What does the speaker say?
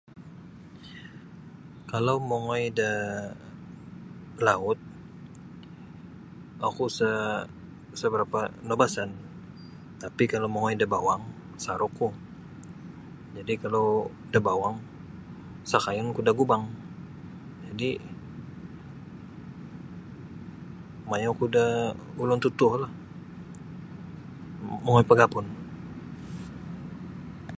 Kalau mongoi da laut oku sa' sa barapa' naubasan tapi kalau mongoi da bawang masarukku jadi' kalau da bawang sakayunku da gubang jadi' maya oku da ulun totuolah mongoi pagapun.